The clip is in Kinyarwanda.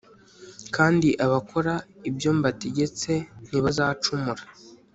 kandi abakora ibyo mbategetse, ntibazacumura